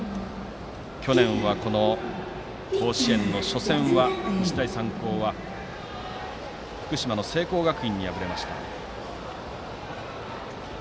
去年、甲子園の初戦は日大三高は福島の聖光学院に敗れました。